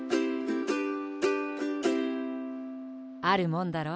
あるもんだろ。